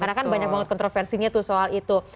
karena kan banyak banget kontroversinya tuh soal itu